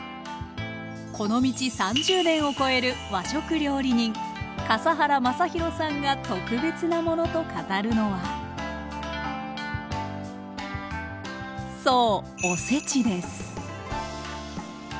この道３０年を超える和食料理人笠原将弘さんが「特別なもの」と語るのはそう！